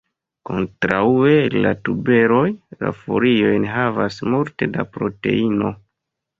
Kontraŭe al la tuberoj, la folioj enhavas multe da proteino.